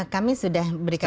kami sudah berikan